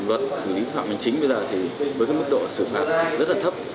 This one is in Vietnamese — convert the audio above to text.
luật xử lý vi phạm hình chính bây giờ thì với cái mức độ xử phạm rất là thấp